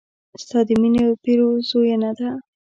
ستا د مينې پيرزوينه ده